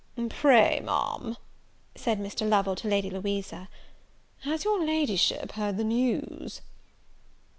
"Pray, Ma'am," said Mr. Lovel to Lady Louisa, "has your Ladyship heard the news?"